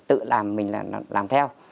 tự làm mình là làm theo